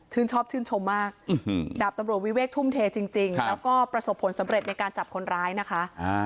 ชอบชื่นชมมากดาบตำรวจวิเวกทุ่มเทจริงแล้วก็ประสบผลสำเร็จในการจับคนร้ายนะคะ